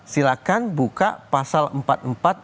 silahkan buka pasal empat puluh empat ayat dua kuhp